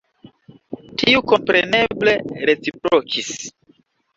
Tiu kompreneble reciprokis.”